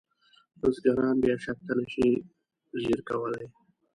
بزګران بیا شاتګ ته نشي ځیر کولی.